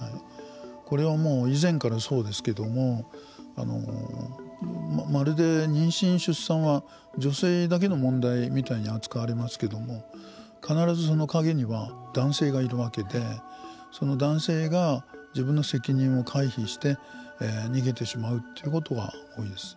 これは以前からそうですけどもまるで妊娠、出産は女性だけの問題みたいに扱われますけども必ず、その陰には男性がいるわけでその男性が自分の責任を回避して逃げてしまうということが多いです。